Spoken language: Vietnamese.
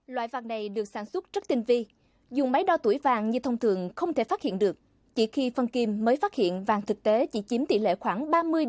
loại vàng này được sản xuất rất tinh vi dùng máy đo tuổi vàng như thông thường không thể phát hiện được chỉ khi phân kim mới phát hiện vàng thực tế chỉ chiếm tỷ lệ khoảng ba mươi ba mươi